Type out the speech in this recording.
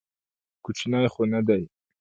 کوچنى خو نه دى.